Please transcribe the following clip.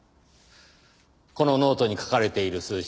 このノートに書かれている数式